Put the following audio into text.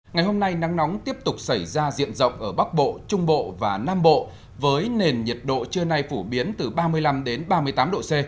ngày hôm nay nắng nóng tiếp tục xảy ra diện rộng ở bắc bộ trung bộ và nam bộ với nền nhiệt độ trưa nay phổ biến từ ba mươi năm ba mươi tám độ c